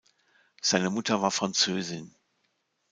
Seine Mutter war Französin.